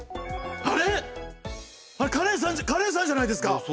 あれ⁉カレンさんじゃカレンさんじゃないですか？